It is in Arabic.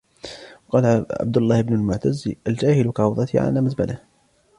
وَقَالَ عَبْدُ اللَّهِ بْنُ الْمُعْتَزِّ الْجَاهِلُ كَرَوْضَةٍ عَلَى مَزْبَلَةٍ